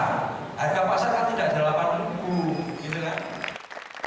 harga pasar kan tidak ada rp delapan gitu kan